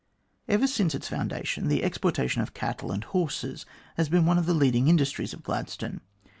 Ever since its foundation, the exportation of cattle and horses has been one of the leading industries of Gladstone.